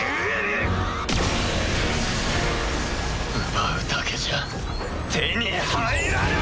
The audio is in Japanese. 奪うだけじゃ手に入らない！